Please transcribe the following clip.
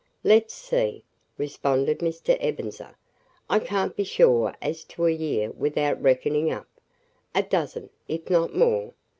"Let's see!" responded Mr. Ebenezer. "I can't be sure as to a year without reckoning up. A dozen, if not more."